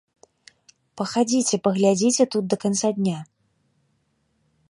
Пахадзіце, паглядзіце тут да канца дня.